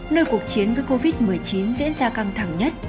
nơi cuộc chiến với covid một mươi chín diễn ra căng thẳng nhất